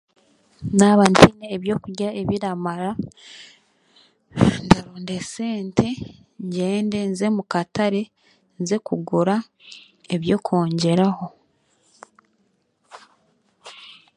Naaba ntaine ebyokurya ebiramara, ndaronda esente ngyende nze mu katare nze kugura ebyokwongyeraho